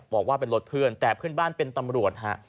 บอกว่าเป็นรถเพื่อนแต่เพื่อนบ้านเป็นตำรวจฮะ